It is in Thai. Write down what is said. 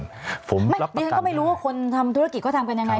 ผมรับประกันนะครับคุณจอมขวัญผมรับประกันไม่ฉันก็ไม่รู้ว่าคนทำธุรกิจก็ทำกันอย่างไร